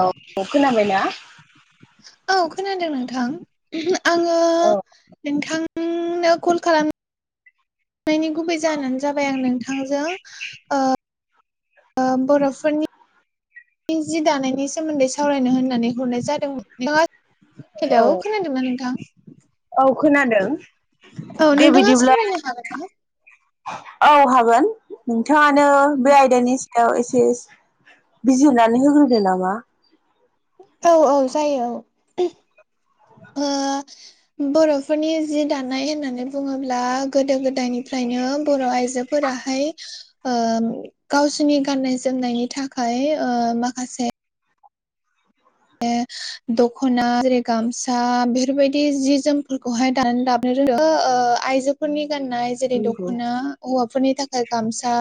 औ खोनाबायना? औ खोनादों नोंथां। आङो औ नोंथां ओंनो कल खालाम नायनि गुबै जाहानो जाबाय आं नोंथांजों। ओ बर'फोरनि इ जि दानायनि सोमोन्दै सावरायनो होननानै हरनाय जादोंमोन। नोंथांआ औ हेलौ खोनादों ना नोंथां? औ खोनादों औ दे नोंथाङा बिदिब्ला सावरायनो हागोन ना? नोंथां। औ हागोन। नोंथाङानो बे आयदानि सा याव एसे एस बिजिरनानै होग्रोदो नामा? औ औ जायो। ओ बर'फोरनि जि दानाय होननानै बुङोब्ला गोदो गोदायनिफ्रायनो बर' आइजोफो राहाय। ओ गावसिनि गाननाय जोमनायनि थाखाय। ओ माखासे ए दख'ना जेरै -गामसा बेफोरबायदि जि जोमफोरखौहाय दानानै दाबनो रो आइजो फोरनि गान्नाय जेरै नंगौ दख'ना हौवाफोरनि थाखाय गामसा।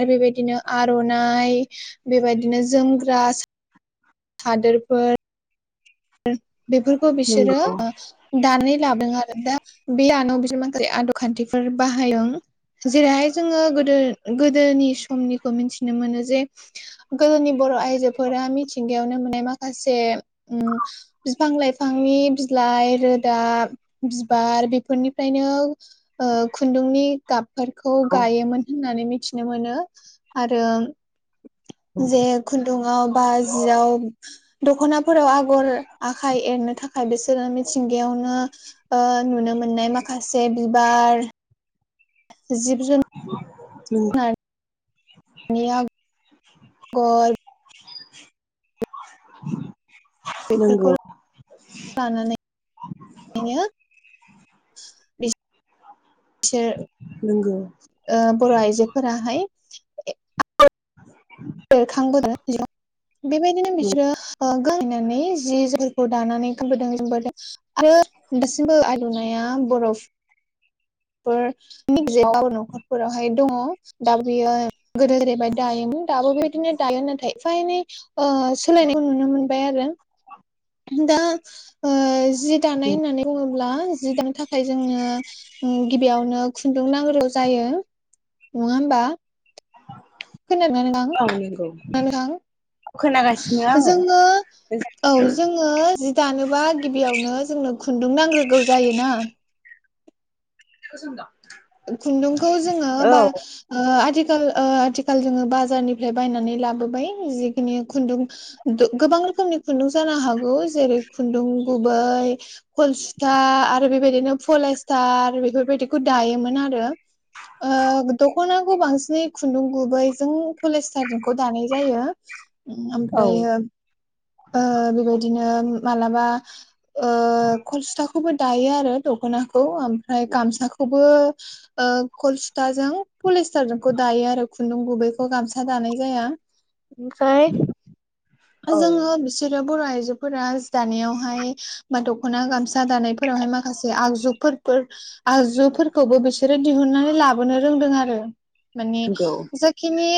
आरो बेबायदिनो आर'नाइ। बेबायदिनो जोमग्रा। सा दोरफोर बेफोरखौ बिसोरो नंगौ ओ दानै लाबोदों आरो दा बे आनाव बि माखाै आद' खान्थिफोर बाहायदों। जेरैहाय जोङो गोदो गोदोनि समनिखौ मिथिनो मोनो। जे गोदोनि बर' आइजोफोरा मिथिंगायावनो मोननाय माखासे उम फिफां- लाइफांनि बिलाइ रोदा बिबार बेफोरनि फ्रायनोओ खुन्दुंनि गाबफोरखौ औ गायोमोन होननानै मिथि नो मोनो। आरो जे खुन्दुआव बा जियाव दख'नाफोराव आगर आखाइ एरनो थाखाय बिसोरो मिथिंगायावनो ओ नुनो मोननाय माखासे बिबार। जिब जुन उ नार नियाग ब [inaudible] बेफोरखौ नंगौ। [unintelligible] बिनो बि [inaudible] से [inaudible] नोंगौ। ओ बर' आइजोफोराहाय [inaudible] [inaudible] बेरखांबोदों [unintelligible] बेबायदिनो बिसोरो ओ गोहायनानै जि जोमफोरखौ दानानै गानबोदों जोमबोदों। आरो दासिमबो आल'नाया बर'फ फोर मिजे गाब न'खरफोरावहाय दङ। दा बियो गोदो जेरैबायदि दायोमोन। दाबो बेबायदिनो दायो नाथाय। एफा एनै ओ सोलायनायखौ नुनो मोनबाय आरो दा ओ जि दानाय होननानै बुङोब्ला जि दानो थाखाय जोङो उम गिबियावनो खुन्दुं नांग्रोगौ जायो। नङा होमबा? खोना दोंना नोंथां? औ नंगौ। खोनागासिनो नोथां आङो जोङो औ जोङो जि दानोबा गिबियावनो जोंनो खुन्दुं नांग्रोगौ जायोना। [unintelligible] खुन्दुंखौ जोङो औ बा ओ आथिखाल ओ आथिखाल जोङो बाजारनिफ्राय बायनानै लाबोबाय। जिखिनि खुन्दुं दो गोबां रोखोमनि खुन्दुं जानो हागौ। जेरै- खुन्दुं गुबै हलसुथा आरो बेबायदिनो पलस्टार बेफोरबायदिखौ दायोमोन आरो। ओ दखनाखौ बांसिनै खुन्दुं गुबैजों पलिस्टारजोंखौ दानाय जायो। औ ओमफ्रायो ओ बेबायदिनो मालाबा ओ कलसुथा खौबो दायो आरो दख'नाखौ ओमफ्राय गामसाखौबो ओ कलसुथाजों पलिस्टारखौ दायो आरो खुन्दुं गुबैखौ गामसा दानाय जाया। ओमफ्राय औ जोङो बिसोरो बर' आइजोफोरा जि दानायावहाय बा दख'ना गामसा दानायफोरावहाय माखासे आगजुफोर फोर आगजुफोरखौबो बिसोरो दिहुननानै लाबोनो रोंदों आरो माने नंगौ जाय बेखिनि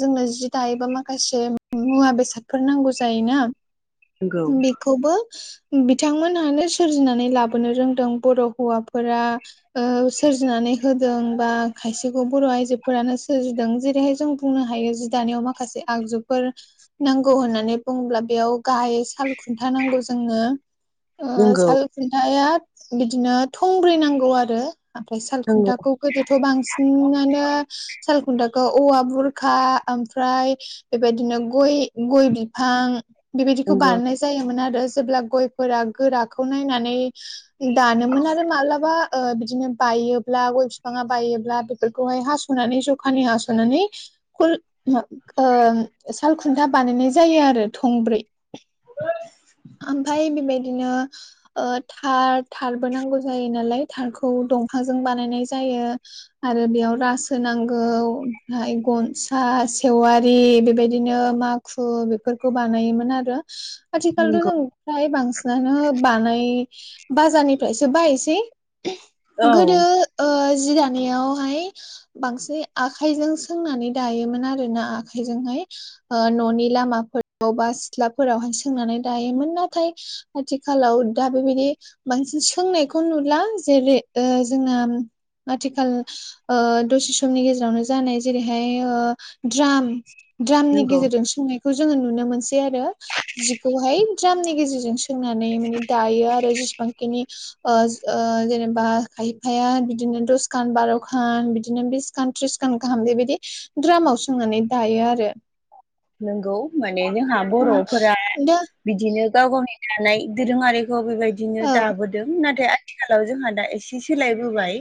जोंनो जि दायोबा माखासे मुवा बेसादफोर नांगौ जायोना नंगौ [unintelligible] खौबो बिथांमोनहानो सोरजिनानै लाबोनो रोंदों बर' हौवाफोरा। ओ सोरजिनानै हो जों बा खायसेखौ बर' आइजोफोरानो सोरजिदों जेरैहाय जों बुंनो हायो। जि दानायाव मा माखासे आगजुफोर नांगौ होननानै बुंङोब्ला बेयाव गाहाय साल खुन्था नांगौ जोनो ओ नंगौ साल खुन्थाया बिदिनो थंब्रै नांगौ आरो ओमफ्राय नंगौ सालखुन्थाखौ गोदोथ' बांसिनानो सालखुन्थाखौ औवा बुरखा ओमफ्राय बेबायदिनो गय गय बिफां बेबायदिखौ नंगौ बानायनाय जायोमोन आरो जेब्ला गयफोरा गोराखौ नायनानै दानोमोन आरो मालाबा ओ बिदिनो बायोब्ला गय बिफाङा बायोब्ला बेफोरखौहाय हास'नानै जखानि हास'नानै खल मा ओ सालखुन्था बानायनाय जायो आरो थंब्रै। [inaudible] ओमफाय बेबायदिनो थार थारबो नांगौ जायो नालाय थारखौ दंखाजों बानायनाय जायो। आरो बेयाव रास होनांगौ ओमफ्राय गनसा सेवारि बेबायदिनो मा खु बेफोरखौ बानायोमोन आरो आथिखालथ' नंगौ जों फ्राय बांसिनानो बानाय बाजारनिफ्रायसो बायोसै। औ गोदो ओ जि दानायावहाय बांसिन आखाइजों सोंनानै दायोमोन आरोना आखाइजोंहाय। न'नि लामाफोराव बासि सिथ्लाफोरावहाय सोंनानै दायोमोन नाथाय आथिखालाव दा बेबायदि बांसिन सोंनायखौ नुला जेरै जोंना आथिखाल अ दसे समनि गेजेरावनो जानाय अ जेरैहाय द्राम द्रामनि नंगौ गेजेरजों सोंनायखौ जोङो नुनो मोनसै। आरो जिखौहाय द्रामनि गेजेरजों सोंनानै माने दायो आरो जेसेबां बिनि ओ ओ जेनेबा खायफाया बिदिनो दसखान बार'खान बिदिनो बिस खान थ्रिसखान गाहाम बेबायदि द्रामाव सोंनानै दायो आरो। नंगौ माने जोंहा बर'फोरा दा बिदिनो गाव गावनि दानाय दोरोङारि खौ बेबायदिनो औ दाबोदों नाथाय आथिखालाव जोंहा दा एसे सोलायबोबाय।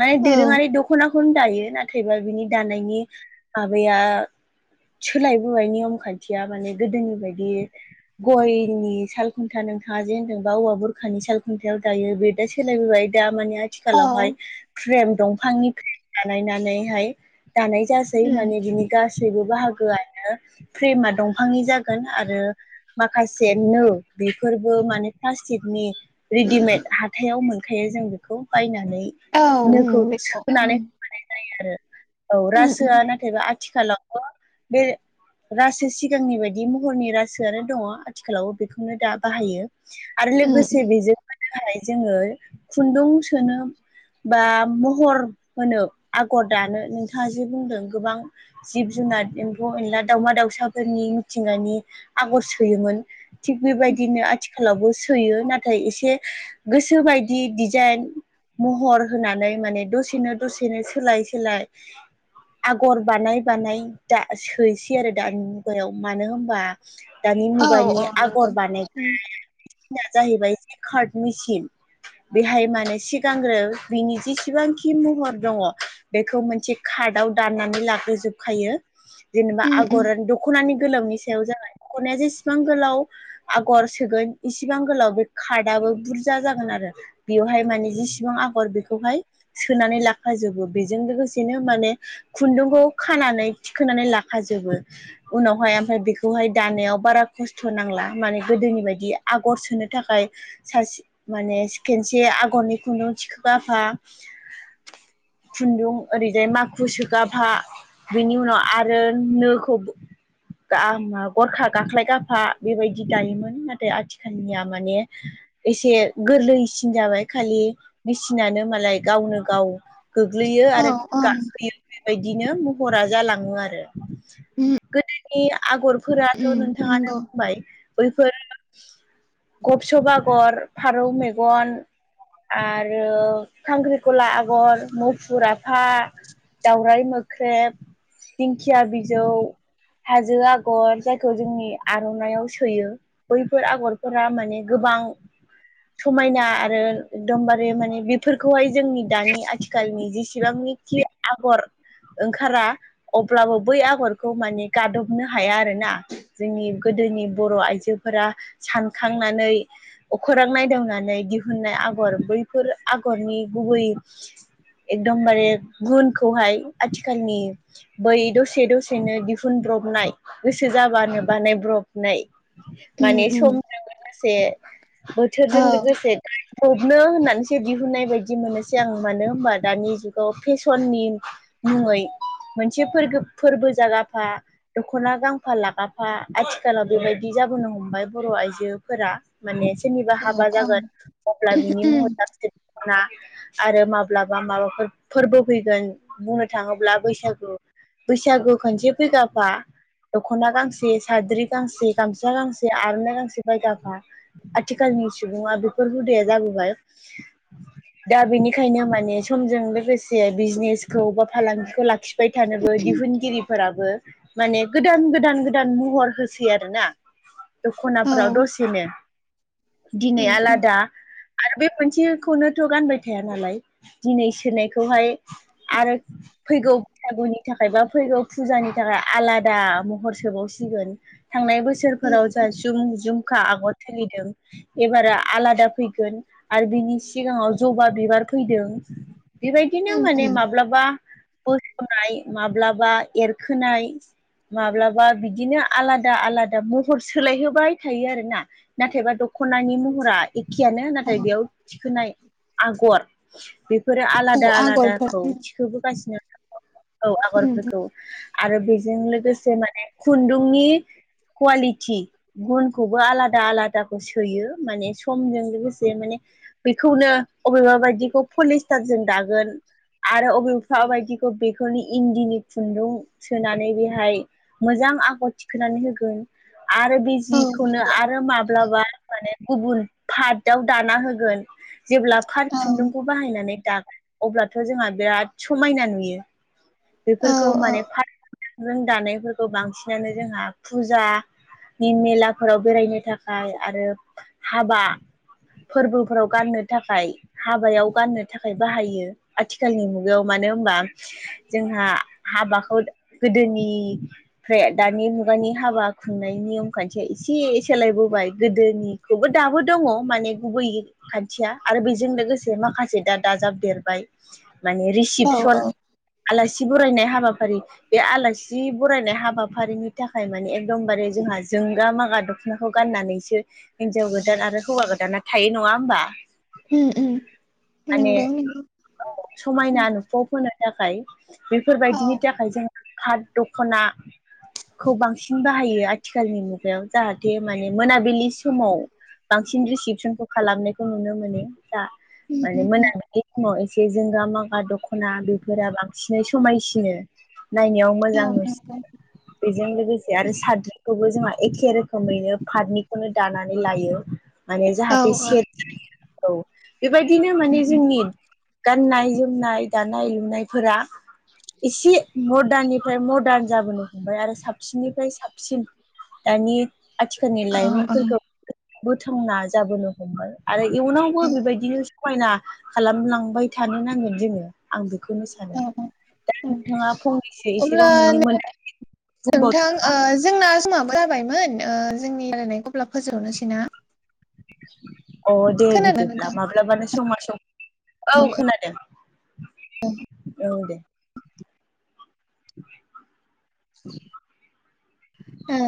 माने दोरोङारि दख'नाखौनो दायो नाथायबा बिनि दानायनि माबाया सोलायबोबाय नियम खान्थिया माने गोदोनि बायदि। गयनि साल खुन्था नोंथाङा जे होनदोंबा औवा बुरखानि साल खुन्थायाव दायो बे दा सोलायबोबाय दा माने औ आथिखालावहाय फ्रेम दंफांनि फ्रेम बानायनानैहाय दानाय जा उम माने बिनि गासैबो बाहागोआनो फ्रेमा दंफांनि जागोन आरो। माखासे नो बेफोरबो माने प्लास्टिकनि रेडिमेड हाथायाव मोनखायो जोंबो। खौ बायनानै औ नोखौ उम बेखौ सोनानै उम होनाय जायो आरो औ उम उम रासोआ नाथ एबा आथिखाालाव थ बे रासो सिगांनि बायदि महरनि रासोआनो दङ आथिखालावबो बेखौनो दा बाहायो। आरो उम लोगोसे बेजों [unintelligible] जोङो खुन्दुं सोनो बा महर होनो आगर दानो नोंथाङा जे बुंदों गोबां जिब जुनार [unintelligible] अ अनला दाउमा दाउसाफोरनि मिथिंगानि आगर सोयोमोन थिग बेबायदिनो आथिख खालावबो सोयो नाथाय एसे गोसो बायदि दिजाइन महर होनानै माने दसेनो दसेनो सोलाय सोलाय आगर बानाय बानाय दा सै सै आरो दानि मुगायाव मानो होमबा दानि औ मुगानि औ नंगौ आगर उम बानायना [unintelligible] जाहैबाय जिखार्ट मेसिन बेहाय माने सिगांग्रो बिनि जेसेबांखि महर दङ। बेखौ मोनसे खादाव दाननानै लाहोजोबखायो। जेनेबा उम उम आगरहोन दख'नानि गोलावनि सायाव जाबाय दख'नाया जेसेबां गोलाव आगर सोगोन इसिबां गोलाव बे खार्दआबो बुरजा जागोन आरो बेवहाय माने जिसेबां आगर बेखौहाय सोनानै लाखाजोबो बेजों लोगोसेनो माने खुन्दुंखौ खानानै थिखोनानै लाखाजोबो। उनावहाय आमफाय बेखौहाय दानायाव बारा खस्थ' नांला माने गोदोनि बायदि आगर सोनो थाखाय सासे माने सि खेनसे आगरनि खुन्दुं थिखो गाफा खुन्दुं ओरैजाय माखु सोगाफा बेनि उन आरो नोखौबो गा मा गरखा गाख्लायगाफा बेबायदि दायोमोन नाथाय आथिखालनिया माने एसे गोरलैसिन जाबाय खालि मेसिनानो मालाय गावनो गाव गोग्लैयो औ आरो औ गाखोयो बेबायदिनो महरा जालाङो आरो उम गोदोनि आगरफोराथ' उम नोंथाङानो नंगौ बुंबाय। बैफोर गबसब आगर फारौ मेगन आरो खांख्रिखला आगर मौफुर आफा दावराइ मोख्रेब दिंखिया बिजौ, हाजो आगर जायखौ जोंनि आर'नाइयाव सोयो। बैफोर आगरफोरा माने गोबां समायना आरो एकदमबारे माने बिब फोरखौहाय जोंनि दानि आथिखालनि जेसेबांनिखि आगर ओंखारा अब्लाबो बै आगरखौ माने गादबनो हाया आरो ना? जोंनि गोदोनि बर' आइजोफोरा सानखांनानै अखोरां नायदावनानै दिहुननाय आगर बैफोर आगरनि गुबै एकदमबारे गुनखौहाय आथिखालनि बै दसे दसेनो दिहुनब्रबनाय गोसो जाबानो बानायब्रबनाय। उम माने उम समजों लोगोसे औ बोथोरजों लोगोसे [unintelligible] फबनो होननानैसो दिहुननाय बायदि मोनोसै आं मानो होमबा दानि जुगाव फेसननि मुङै मोनसे फोरगो फोरबो जागाफा दख'ना गांफा लागाफा आथिखालाव बेबायदि जाबोनो हमबाय बर' आइजोफोरा। माने सोरनिबा औ हाबा औ जागोन अब्ला बिनि मुङाव उम गांसे ना आरो माब्लाबा माबाफोर फोरबो फैगोन बुंनो थाङोब्ला बैसागु बैसागु खनसे फैगाफा दख'ना गांसे साद्रि गांसे गामस गांसे से आरनाइ गांसे बायगाफा आथिखालनि सुबुङा बेफोर हुदाया जाबोबाय। दा बेनिखायनो माने समजों लोगोसे बिजनेसखौ बा फालांगिखौ लाख खिबाय थानोबो दिहुनगिरिफोराबो माने गोदान गोदान गोदान महर होसै आरो ना औ दख'नाफोराव दसेनो दिनै उम उम आलादा आरो बे मोनसेखौनोथ' गानबाय थाया नालाय दिनै सोनायखौहाय आरो फैगौ सागुनि थाखाय बा फैगौ फुजानि थाखाय आलादा महर सोबावसिगोन थांनाय उम बोसोरफोराव जाहा जुम-जुमखा आगर सोलिदों एबारो आलादा फैगोन आरो बिनि सिगाङाव जबा बिबार फैदों बेबायदिनो उम माने उम माब्लाबा बोसोननाय माब्लाबा एरखोनाय माब्लाबा बिदिनो आलादा आलादा महर सोलायहोबाय थायो आरोना। नाथायबा दख'नानि महरा एखेयानो औ नाथाय बेयाव थिखोनाय आगर बेफोर औ आलादा आगरफोर आलादाखौ उम थिखोबोगासिनो औ उम आबादफोरखौ आरो बेजों लोगोसे माने खुन्दुंनि कुवालिथि गुनखौबो आलादा आलादाखौ सोयो माने समजों लोगोसे माने बेखौनो अबेबा बायदिखौ पलिस्टारजों दागोन आरो अबेफा बायदि बेखौनो इन्दिनि खुन्दुं सोनानै बेहाय मोजां आगर थिखोनानै होगोन आरो बे औ जिखौनो नंगौ आरो माब्लाबा माने गुबुन पाधाव दाना होगोन जेब्ला फात औ खुन्दुंखौ बाहायनानै दागोन अब्लाथ' जोंहा बिराद समायना नुयो। औ बेफोरखौ औ माने फात [unintelligible] दानायफोरखौ बांसिनानो जोंहा फुजा नि मेलाफोराव बेरायनो थाखाय आरो हाबा फोरबोफोराव गाननो थाखाय हाबायाव गाननो थाखाय बाहायो आथिखालनि मुगायाव मानो होमबा जोंहा हाबाखौ गोदोनि फ्राय दानि मुगानि हाबा खुंनायनि नियम खान्थिया एसे सोलायबोबाय गोदोनि खौबो दाबो दङ' माने गुबै खान्थिया आरो बेजों लोगोसे माखासे दा दाजाबदेरबाय माने रि औ औ आलासि बरायनाय हाबाफारि बे आलासि बरायनाय हाबाफारिनि थाखाय माने एकदमबारे जोंहा जोंगा-मागा दख'नाखौ गाननानैसो हिनजाव गोदान आरो हौवा गोदाना थायो नङा होमबा? उम उम माने नंगौ नंगौ उम समायना नुफब होनो थाखाय औ बेफोरबायदिनि थाखाय जों पाट दख'ना खौ बांसिन बाहायो थिखालनि मुगायाव जाहाथे माने मोनाबिलि समाव बांसिन रिसिपसनखौ खालामनायखौ नुनो मोनो। दा उम माने उम उम मोनाबिलि समाव एसे जोंगा-मागा दख'ना बे फोरा बांसिनै समायसिनो नायनायाव औ मोजां नुसिनो नंगौ बेजों लोगोसे आरो साद्रिखौबो जोंहा एखे रोखोमैनो पाटनिखौनो दानानै लायो माने औ जाहाथे औ से औ बेबायदिनो उम माने उम जोंनि गाननाय जोमनाय दानाय लु नाय फोरा एसे मदार्ननिफ्राय मडार्न जाबोनो हमबाय आरो साबसिननिफ्राय साबसिन दानि आथिखालनि औ औ लाइमोनफोरखौ बोथांना जाबोनो हमबाय आरो इयुनावबो बेबायदिनो समायना खालामलांबाय थानो नांगोन जोङो आं खौनो सानो औ औ दा उम नोंथाङा फंनैसो अब्ला एसेबाव नोंनि मोन [unintelligible] नोंथां बुंबावदों ओ नामा जोंना समाबो जाबायमोन ओ जोंनि रायलायनाय अब्ला फोजाबनोसैना? अ दे बिदिब्ला माब्लाबानो समा सम औ खोनादों [unintelligible] औ दे ओ